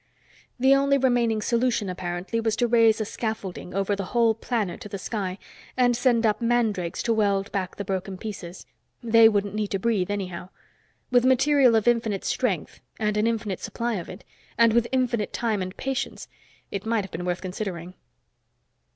The only remaining solution, apparently, was to raise a scaffolding over the whole planet to the sky, and send up mandrakes to weld back the broken pieces. They wouldn't need to breathe, anyhow. With material of infinite strength and an infinite supply of it and with infinite time and patience, it might have been worth considering.